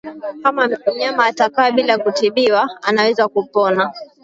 Kama mnyama atakaa bila kutibiwa anaweza kupona